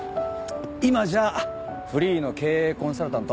今じゃフリーの経営コンサルタント。